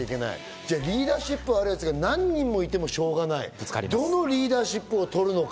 じゃあリーダーシップあるやつが何人もいてもしょうがない、どのリーダーシップをとるのか。